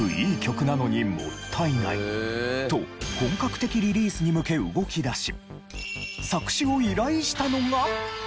と本格的リリースに向け動き出し。